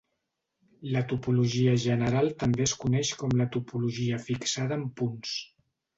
La topologia general també es coneix com la topologia fixada en punts.